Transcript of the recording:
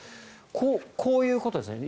こういうことですね